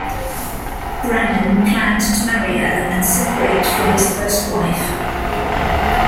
Brannan planned to marry her and separate from his first wife.